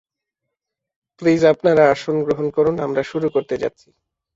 Please আপনারা আসন গ্রহণ করুন আমরা শুরু করতে যাচ্ছি।